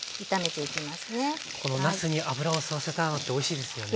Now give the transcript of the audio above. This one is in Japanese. このなすに脂を吸わせたのがおいしいですよね。